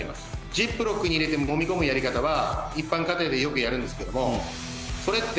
「ジップロックに入れてもみ込むやり方は一般家庭でよくやるんですけども」